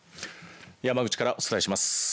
山口からお伝えします。